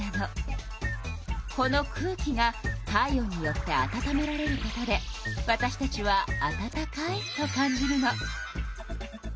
この空気が体温によって暖められることでわたしたちは「暖かい」と感じるの。